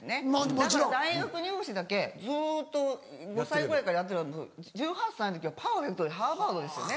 だから大学入試だけずっと５歳ぐらいからやってれば１８歳の時はパーフェクトでハーバードですよね。